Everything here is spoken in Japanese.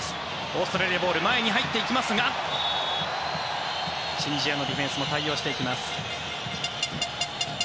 オーストラリアボール前に入っていきますがチュニジアのディフェンスも対応していきます。